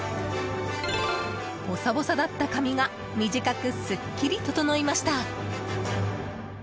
ボサボサだった髪が短くすっきり整いました。